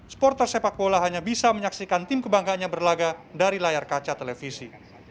supporter sepak bola hanya bisa menyaksikan tim kebanggaannya berlaga dari layar kaca televisi